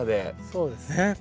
そうですね。